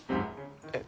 えっ？